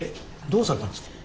どうされたんですか？